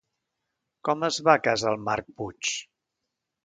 Com es va a casa el Marc Puig?